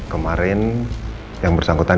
kemarin yang bersangkutan